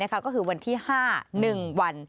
ก็คือวันที่๕๑วัน